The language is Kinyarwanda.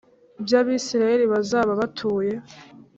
Bwa isirayeli bazaba batuye